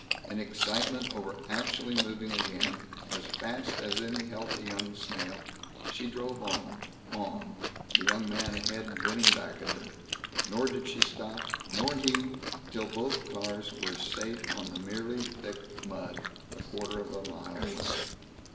In excitement over actually moving again, as fast as any healthy young snail, she drove on, on, the young man ahead grinning back at her. Nor did she stop, nor he, till both cars were safe on merely thick mud, a quarter of a mile away.